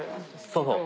そうそう。